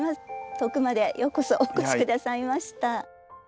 遠くまでようこそお越し下さいました。